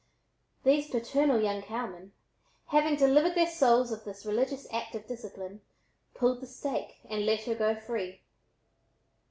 These paternal young cowmen, having delivered their souls of this religious act of discipline, "pulled the stake" and let her go free.